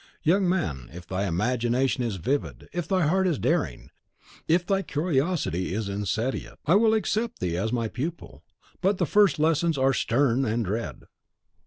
Young man, if thy imagination is vivid, if thy heart is daring, if thy curiosity is insatiate, I will accept thee as my pupil. But the first lessons are stern and dread."